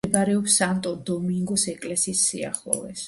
მდებარეობს სანტო-დომინგოს ეკლესიის სიახლოვეს.